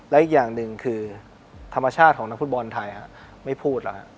และอีกอย่างหนึ่งคือธรรมชาติของนักฟุตบอลไทยไม่พูดแล้วฮะ